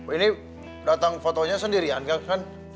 ini datang fotonya sendirian kan